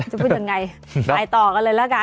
พูดยังไงไปต่อกันเลยละกัน